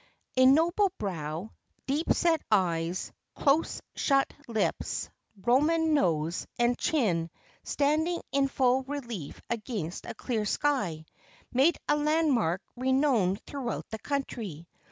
A noble brow, deep set eyes, close shut lips, Roman nose, and chin standing in full relief against a clear sky, made a landmark re¬ nowned throughout the country.